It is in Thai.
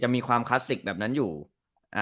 จะมีความแบบนั้นอยู่อ่า